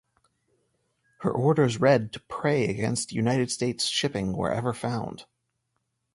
Her orders read to prey against United States shipping wherever found.